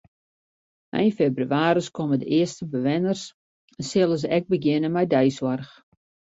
Ein febrewaris komme de earste bewenners en sille se ek begjinne mei deisoarch.